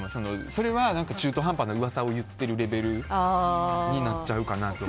それは中途半端な噂を言ってるレベルになっちゃうかなと。